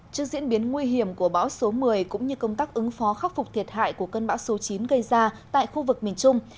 trước diễn biến nguy hiểm của bão số một mươi cũng như công tác ứng phó khắc phục thiệt hại của cơn bão số chín gây ra tại khu vực miền trung